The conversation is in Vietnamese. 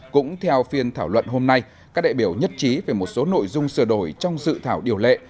cũng theo phiên thảo luận hôm nay các đại biểu nhất trí về một số nội dung sửa đổi trong dự thảo điều lệ